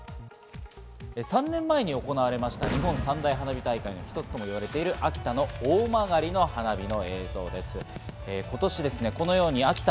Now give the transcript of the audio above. ３年前に行われました日本三大花火大会の一つと言われている、秋田の大曲の花火の映像です。